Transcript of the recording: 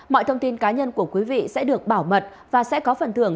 mọi thông tin cá nhân của quý vị sẽ được bảo mật và sẽ có phần thưởng